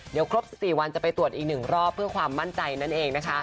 เดี๋ยวครบ๑๔วันจะไปตรวจอีก๑รอบเพื่อความมั่นใจนั่นเองนะคะ